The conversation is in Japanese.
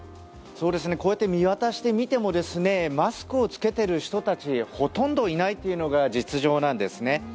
こうやって見渡してみてもマスクを着けてる人たちほとんどいないというのが実情なんですね。